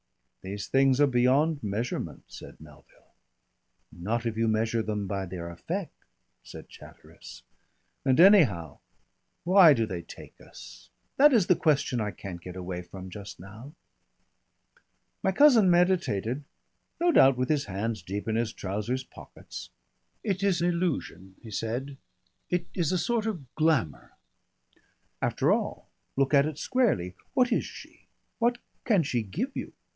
"These things are beyond measurement," said Melville. "Not if you measure them by their effect," said Chatteris. "And anyhow, why do they take us? That is the question I can't get away from just now." My cousin meditated, no doubt with his hands deep in his trousers' pockets. "It is illusion," he said. "It is a sort of glamour. After all, look at it squarely. What is she? What can she give you?